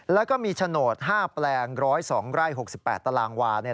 แล้วก็มีโฉนด๕แปลง๑๐๒ไร่๖๘ตารางวา